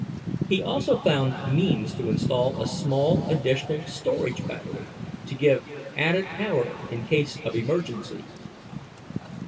He also found means to install a small additional storage battery, to give added power in case of emergency.